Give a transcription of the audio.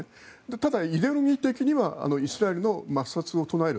ただ、イデオロギー的にはイスラエルの抹殺を唱える。